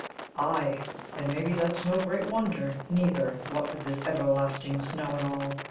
"Ay, and maybe that's no great wonder, neether, what with this everlasting snow and all.